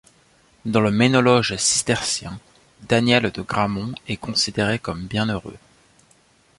Dans le ménologe cistercien Daniel de Grammont est considéré comme bienheureux.